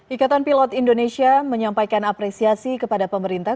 ikatan pilot indonesia menyampaikan apresiasi kepada pemerintah